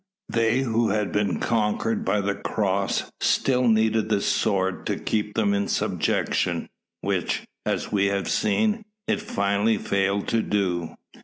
They who had been conquered by the Cross, still needed the sword to keep them in subjection, which, as we have seen, it finally failed to do.